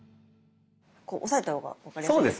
こう押さえた方が分かりやすいですね。